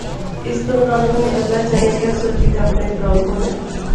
اسے دوران انی اللہ جانے کہہ سوچی تہ اپنے پرھو کولا